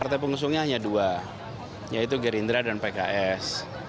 partai pengusungnya hanya dua yaitu gerindra dan pks